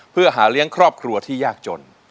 เพื่อหาเลี้ยงครอบครัวที่ยากจน